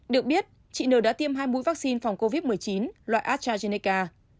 được biết chị n đã tiêm hai mũi vaccine phòng covid một mươi chín loại astrazeneca